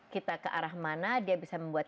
kita ke arah mana dia bisa membuat